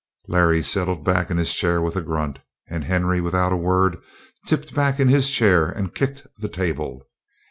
Larry settled back in his chair with a grunt, and Henry, without a word, tipped back in his chair and kicked the table.